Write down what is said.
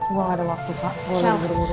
gue gak ada waktu